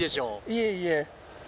いえいえ。